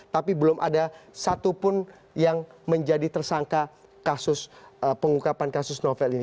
tapi belum ada satu pun yang menjadi tersangka pengukapan kasus novel ini